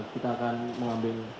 kita akan mengambil